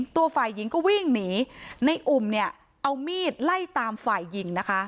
ตัวฝ่ายหญิงก็วิ่งหนีในอุ่มเนี่ยเอามีดไล่ตามฝ่ายหญิงนะคะ